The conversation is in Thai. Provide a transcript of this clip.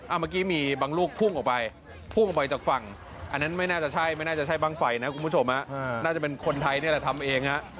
เมื่อกี้มีบางลูกพุ่งออกไปพุ่งออกไปจากฝั่งอันนั้นไม่น่าจะใช่ไม่น่าจะใช่บ้างไฟนะคุณผู้ชมน่าจะเป็นคนไทยนี่แหละทำเองฮะ